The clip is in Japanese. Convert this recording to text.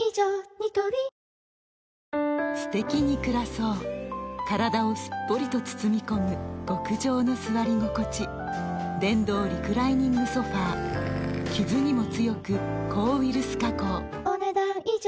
ニトリすてきに暮らそう体をすっぽりと包み込む極上の座り心地電動リクライニングソファ傷にも強く抗ウイルス加工お、ねだん以上。